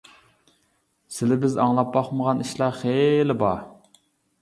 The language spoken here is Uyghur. سىلى بىز ئاڭلاپ باقمىغان ئىشلار خېلى بار.